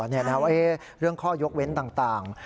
ว่าเรื่องข้อยกเว้นต่าง